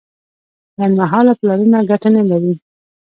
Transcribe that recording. لنډمهاله پلانونه ګټه نه لري.